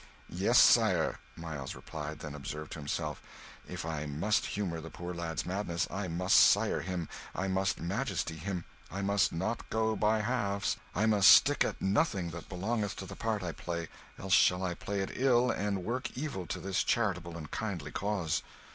"Yes, Sire," Miles replied; then observed to himself, "If I must humour the poor lad's madness, I must 'Sire' him, I must 'Majesty' him, I must not go by halves, I must stick at nothing that belongeth to the part I play, else shall I play it ill and work evil to this charitable and kindly cause."